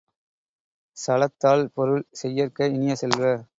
சலத்தால் பொருள் செய்யற்க இனிய செல்வ!